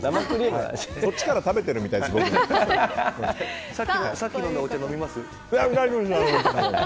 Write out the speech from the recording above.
こっちから食べてるみたいです僕が。